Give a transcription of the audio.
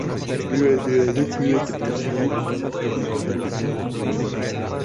Durante las dos primeras temporadas el programa se emitía los sábados por la mañana.